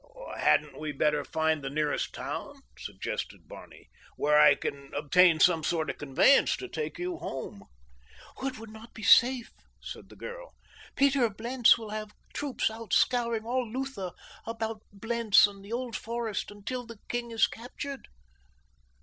"Hadn't we better find the nearest town," suggested Barney, "where I can obtain some sort of conveyance to take you home?" "It would not be safe," said the girl. "Peter of Blentz will have troops out scouring all Lutha about Blentz and the Old Forest until the king is captured."